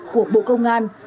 của bộ công an